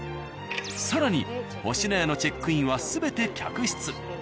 更に「星のや」のチェックインは全て客室。